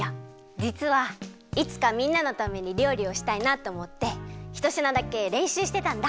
じつはいつかみんなのためにりょうりをしたいなっておもってひとしなだけれんしゅうしてたんだ。